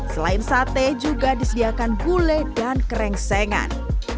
selain sate juga disediakan gulai dan kerengsengan